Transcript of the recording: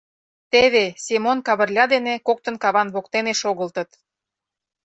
Теве, Семон Кавырля дене коктын каван воктене шогылтыт.